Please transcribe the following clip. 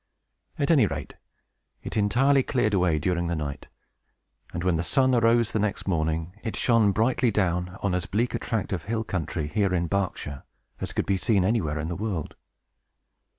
At any rate, it entirely cleared away during the night; and when the sun arose the next morning, it shone brightly down on as bleak a tract of hill country here in Berkshire, as could be seen anywhere in the world.